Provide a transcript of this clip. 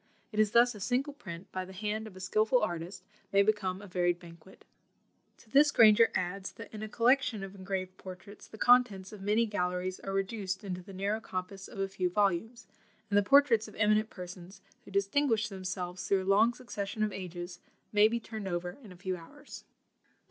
It is thus a single print, by the hand of a skilful artist, may become a varied banquet. To this Granger adds, that in a collection of engraved portraits, the contents of many galleries are reduced into the narrow compass of a few volumes; and the portraits of eminent persons, who distinguished themselves through a long succession of ages, may be turned over in a few hours.